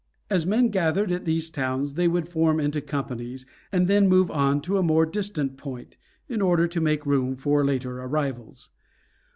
As men gathered at these towns they would form into companies, and then move on to a more distant point, in order to make room for later arrivals.